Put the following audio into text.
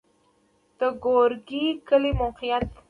د ګورکي کلی موقعیت